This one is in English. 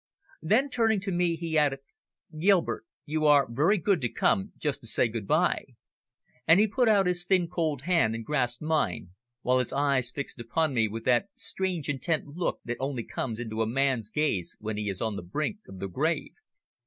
Then, turning to me, he added, "Gilbert, you are very good to come just to say good bye," and he put out his thin cold hand and grasped mine, while his eyes fixed upon me with that strange, intent look that only comes into a man's gaze when he is on the brink of the grave.